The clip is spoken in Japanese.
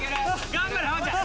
頑張れハマちゃん！